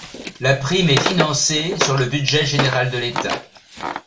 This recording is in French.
La prime est financée sur le budget général de l'État.